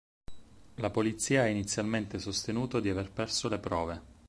La polizia ha inizialmente sostenuto di aver perso le prove.